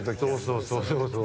そうそうそうそう。